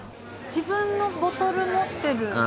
自分のボトル持ってる。